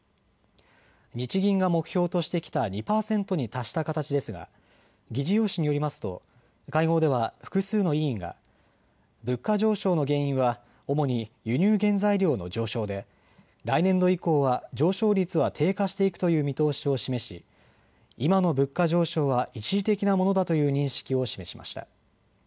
日銀が目標としてきた２％に達した形ですが議事要旨によりますと会合では複数の委員が物価上昇の原因は主に輸入原材料の上昇で来年度以降は上昇率は低下していくという見通しを示し今の物価上昇は一時的なものだという認識を示しました。